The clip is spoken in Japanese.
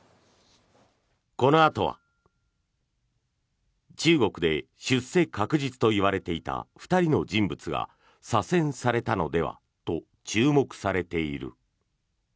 このあとは中国で出世確実と言われていた２人の人物が左遷されたのではと注目されている。